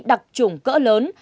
đặc trùng cỡ lớn